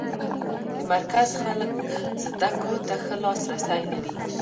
د مرکز خلک زده کړو ته ښه لاس رسی لري.